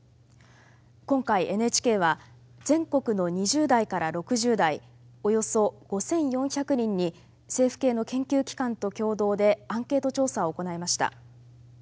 今回ＮＨＫは全国の２０代から６０代およそ５，４００人に政府系の研究機関と共同でアンケート調査を行いました。